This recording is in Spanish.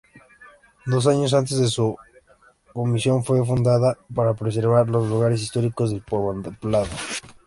Dos años antes una comisión fue fundada para preservar los lugares históricos del poblado.